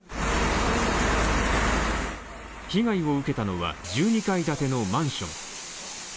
被害を受けたのは、１２階建てのマンション。